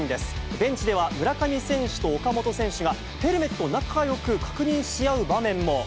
ベンチでは村上選手と岡本選手が、ヘルメットを仲よく確認し合う場面も。